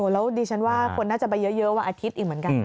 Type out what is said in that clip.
แล้วดิฉันว่าคนน่าจะไปเยอะวันอาทิตย์อีกเหมือนกัน